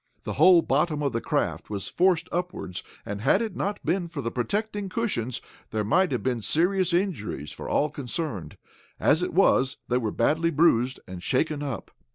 The whole bottom of the craft was forced upward and had it not been for the protecting cushions, there might have been serious injuries for all concerned. As it was they were badly bruised and shaken up.